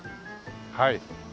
はい。